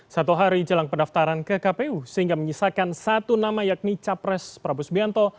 satu hari jelang pendaftaran ke kpu sehingga menyisakan satu nama yakni capres prabowo subianto